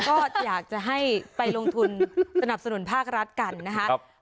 ก็อยากจะให้ไปลงทุนสนับสนุนภาครัฐกันนะครับ